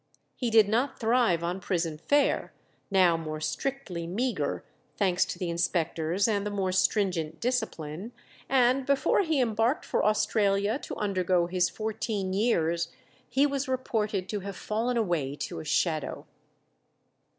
He did not thrive on prison fare, now more strictly meagre, thanks to the inspectors and the more stringent discipline, and before he embarked for Australia to undergo his fourteen years, he was reported to have fallen away to a shadow.